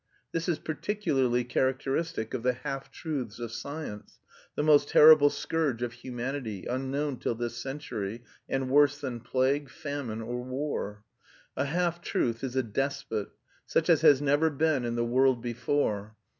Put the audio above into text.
This is particularly characteristic of the half truths of science, the most terrible scourge of humanity, unknown till this century, and worse than plague, famine, or war. A half truth is a despot... such as has never been in the world before.